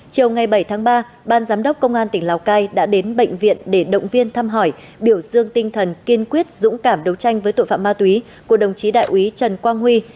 chiều ngày bảy tháng ba ban giám đốc công an tỉnh lào cai đã đến bệnh viện để động viên thăm hỏi biểu dương tinh thần kiên quyết dũng cảm đấu tranh với tội phạm ma túy của đồng chí đại úy trần quang huy